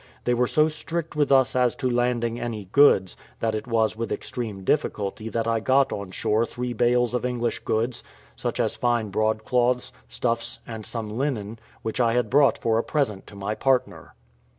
They were so strict with us as to landing any goods, that it was with extreme difficulty that I got on shore three bales of English goods, such as fine broadcloths, stuffs, and some linen, which I had brought for a present to my partner.